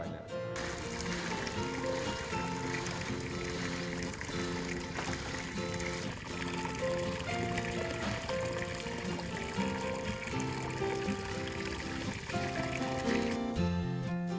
hasilnya adalah berbagai jenis tembakau